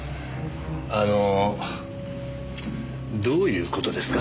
あのどういう事ですか？